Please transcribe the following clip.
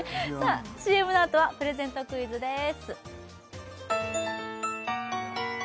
ＣＭのあとはプレゼントクイズです